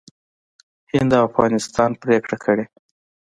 هند او افغانستان پرېکړه کړې